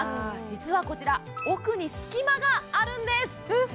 実はこちら奥に隙間があるんですえっ